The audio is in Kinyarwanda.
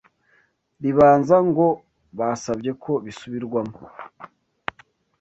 Ribanza ngo basabye ko bisubirwamo